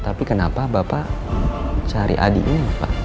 tapi kenapa bapak cari adi ini bapak